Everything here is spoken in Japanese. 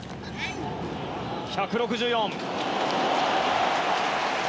１６４！